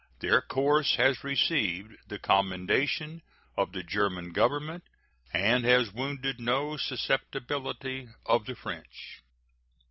Their course has received the commendation of the German Government, and has wounded no susceptibility of the French.